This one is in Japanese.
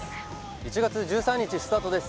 １月１３日スタートです